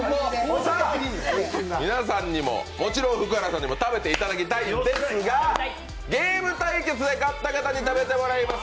皆さんにも、もちろん福原さんにも食べていただきたいんですがゲーム対決でがったがたに食べていただきます。